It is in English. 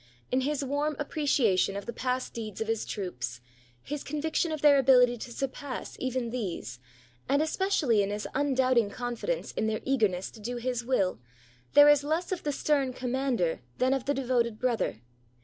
In his warm appreciation of the past deeds of his troops, his conviction of their abihty to surpass even these, and espe cially in his undoubting confidence in their eagerness to do his will, there is less of the stern commander than of the devoted brother.